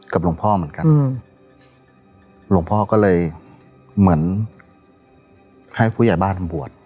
หลวงพ่อเหมือนกันหลวงพ่อก็เลยเหมือนให้ผู้ใหญ่บ้านบวช